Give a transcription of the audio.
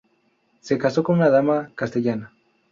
Se casó con una dama castellana.